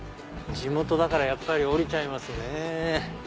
地元だからやっぱり降りちゃいますね。